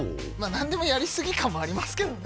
何でもやりすぎ感もありますけどね